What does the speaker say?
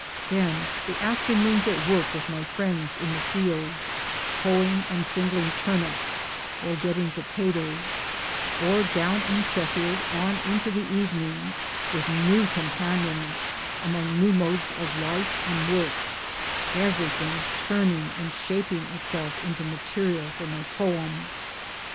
Then the after noons at work with my friends in the fields, hoeing and singling turnips or getting potatoes, or down in Sheffield on into the evenings with new companions among new modes of life and work everything turning and shaping itself into material for my poem.